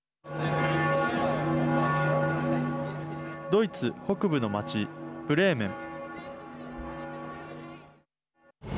ドイツ北部の町ブレーメン。